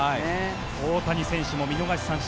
大谷選手も見逃し三振。